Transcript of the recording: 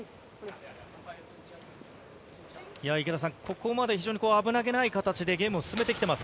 池田さん、ここまで非常に危なげない形でゲームを進めてきてます